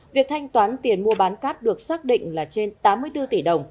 việc thanh toán tiền mua bán cát được xác định là trên tám mươi bốn tỷ đồng